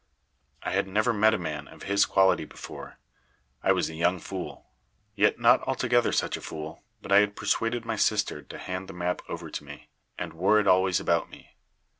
"I had never met a man of his quality before. I was a young fool, yet not altogether such a fool but I had persuaded my sister to hand the map over to me, and wore it always about me.